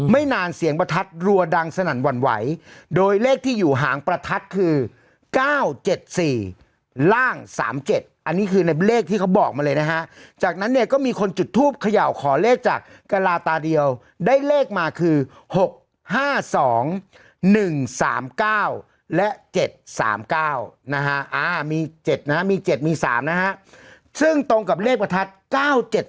ไม่นานเสียงประทัดรัวดังสนั่นหวั่นไหวโดยเลขที่อยู่หางประทัดคือเก้าเจ็ดสี่ล่างสามเจ็ดอันนี้คือในเลขที่เขาบอกมาเลยนะฮะจากนั้นเนี้ยก็มีคนจุดทูบเขย่าขอเลขจากกระลาตาเดียวได้เลขมาคือหกห้าสองหนึ่งสามเก้าและเจ็ดสามเก้านะฮะอ่ามีเจ็ดนะฮะมีเจ็ดมีสามนะฮะซึ่งตรงกับเลขประทัดเก้าเจ็